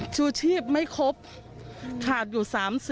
ชูชีพไม่ครบขาดอยู่๓๐